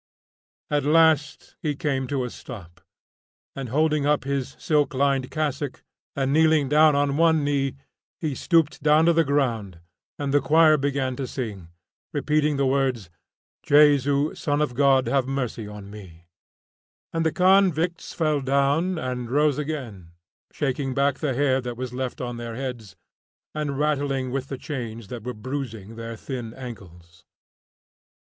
At last he came to a stop, and holding up his silk lined cassock, and kneeling down on one knee, he stooped down to the ground and the choir began to sing, repeating the words, "Jesu, Son of God, have mercy on me," and the convicts fell down and rose again, shaking back the hair that was left on their heads, and rattling with the chains that were bruising their thin ankles.